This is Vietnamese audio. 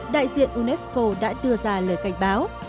đại diện unesco đã đưa ra lời cảnh báo